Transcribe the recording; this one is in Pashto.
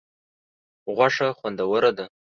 غوښه خوندوره ده.